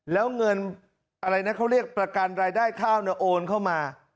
แล้วเงินอะไรนะเขาเรียกประกันรายได้ข้าวเนี่ยโอนเข้ามา